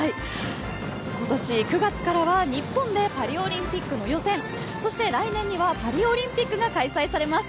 今年９月からは日本でパリオリンピックの予選そして来年にはパリオリンピックが開催されます。